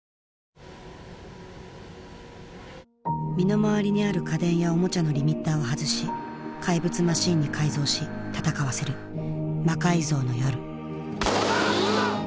身の回りにある家電やおもちゃのリミッターを外し怪物マシンに改造し戦わせる「魔改造の夜」。